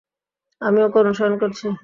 আমি ওকে অনুসরণ করছি।